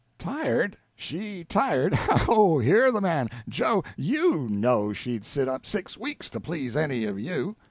"Tired? She tired! Oh, hear the man! Joe, _you _know she'd sit up six weeks to please any one of you!"